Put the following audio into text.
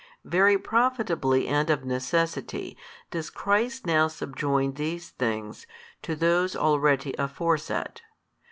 Very profitably and of necessity does Christ now subjoin these things to those already aforesaid.